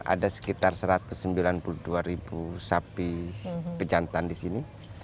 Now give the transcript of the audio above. ada sekitar satu ratus sembilan puluh dua ribu sapi pejantan di sini